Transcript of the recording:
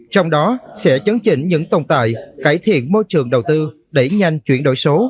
trong đó sẽ chấn chỉnh những tồn tại cải thiện môi trường đầu tư đẩy nhanh chuyển đổi số